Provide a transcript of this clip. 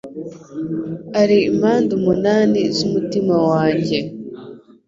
Ari impande umunani z umutima wanjye.